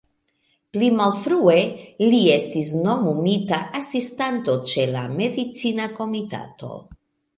Pli malfrue, li estis nomumita Asistanto ĉe la Medicina Komitato.